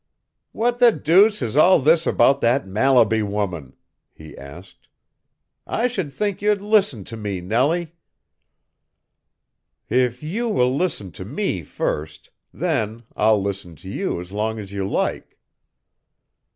"What the deuce is all this about that Mallaby woman?" he asked. "I should think you'd listen to me, Nellie." "If you will listen to me first, then I'll listen to you as long as you like."